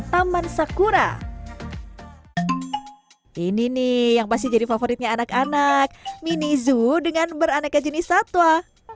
taman sakura ini nih yang pasti jadi favoritnya anak anak mini zoo dengan beraneka jenis satwa